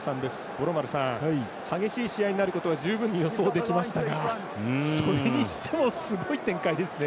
五郎丸さん激しい試合になることは十分に予想できましたが、それにしてもすごい展開ですね。